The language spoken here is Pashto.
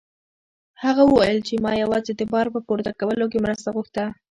هغه وویل چې ما یوازې د بار په پورته کولو کې مرسته غوښته.